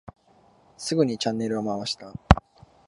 すぐにチャンネルを回した。